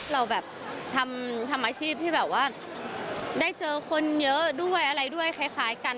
เราแบบทำอาชีพที่แบบว่าได้เจอคนเยอะด้วยอะไรด้วยคล้ายกัน